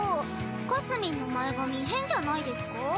かすみんの前髪変じゃないですか？